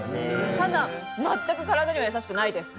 ただ、全く体には優しくないです。